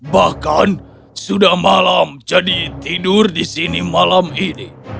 bahkan sudah malam jadi tidur di sini malam ini